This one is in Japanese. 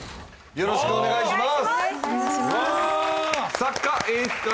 よろしくお願いします